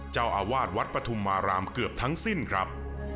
เจ้าอาวาสวัดปฐุมมารามเกือบทั้งสิ้นครับ